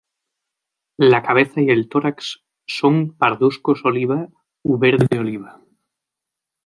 La cabeza y el tórax son parduscos-oliva u verde oliva.